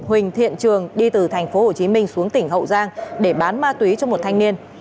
huỳnh thiện trường đi từ thành phố hồ chí minh xuống tỉnh hậu giang để bán ma túy cho một thanh niên